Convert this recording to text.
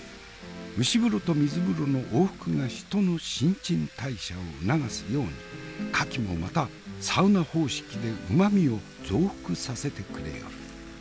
蒸し風呂と水風呂の往復が人の新陳代謝を促すように牡蠣もまたサウナ方式で旨みを増幅させてくれよる。